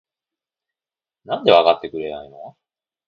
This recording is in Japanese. なんでわかってくれないの？？